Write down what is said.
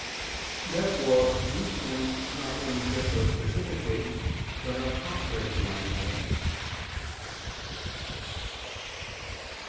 Therefore these sins not only differ specifically, but are contrary to one another.